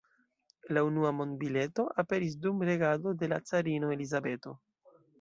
La unua monbileto aperis dum regado de la carino Elizabeto.